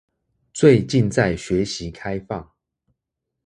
最近在學習開放